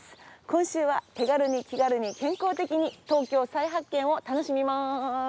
今週は手軽に気軽に健康的に東京再発見を楽しみまーす。